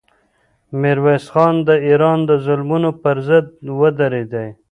میرویس خان د ایران د ظلمونو پر ضد ودرېدی.